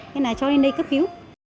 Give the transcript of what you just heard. thế là cho lên đây cấp cứu